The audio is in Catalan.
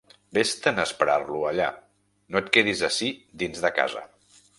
Vés-te'n a esperar-lo allà, no et quedes ací dins de casa.